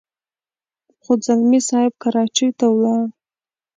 خو ځلمی صاحب کراچۍ ته ولاړ.